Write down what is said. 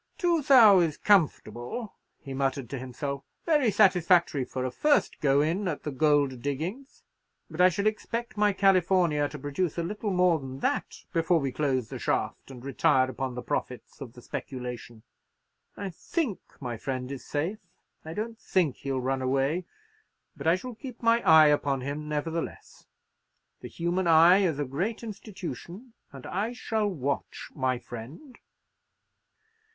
"Two thou' is comfortable," he muttered to himself; "very satisfactory for a first go in at the gold diggin's! but I shall expect my California to produce a little more than that before we close the shaft, and retire upon the profits of the speculation. I think my friend is safe—I don't think he'll run away. But I shall keep my eye upon him, nevertheless. The human eye is a great institution; and I shall watch my friend."